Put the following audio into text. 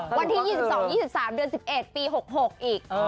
วันที่๒๒๒๓เดือน๑๑ปี๖๖อีก